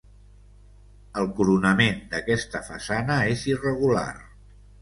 El coronament d'aquesta façana és irregular.